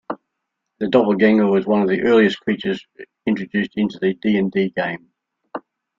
The doppelganger was one of the earliest creatures introduced in the D&D game.